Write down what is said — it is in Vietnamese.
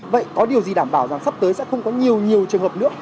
vậy có điều gì đảm bảo rằng sắp tới sẽ không có nhiều nhiều trường hợp nữa